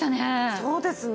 そうですか？